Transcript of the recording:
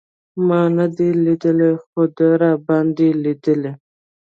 ما نه دی لېدلی خو ده راباندې لېدلی.